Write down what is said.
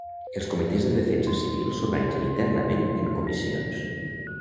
Els Comitès de defensa civil s'organitzen internament en comissions.